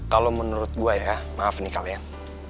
kalo menurut gua ya maaf nih kalian